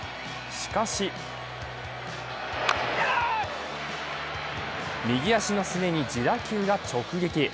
しかし右足のすねに自打球が直撃。